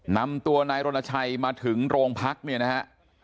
นำตัวนายรณชัยมาถึงโรงพักเนี่ยนะฮะ